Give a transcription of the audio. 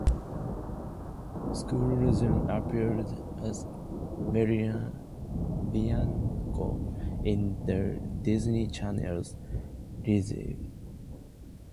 Schroeder then appeared as Melina Bianco in The Disney Channel's "Lizzie McGuire".